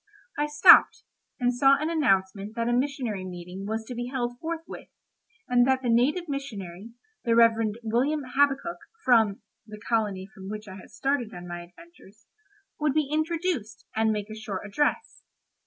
I stopped, and saw an announcement that a missionary meeting was to be held forthwith, and that the native missionary, the Rev. William Habakkuk, from——(the colony from which I had started on my adventures), would be introduced, and make a short address.